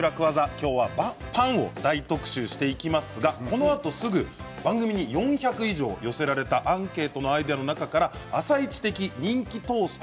今日はパンを大特集していきますがこのあとすぐ番組に４００以上寄せられたアンケートのアイデアの中から「あさイチ」的人気トースト